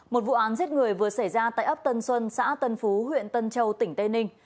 một vụ án giết người vừa xảy ra tại ấp tân xuân xã tân phú huyện tân châu tỉnh tây ninh